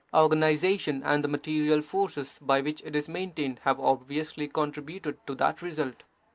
Organization and the material forces by which it is main tained have obviously contributed to that result.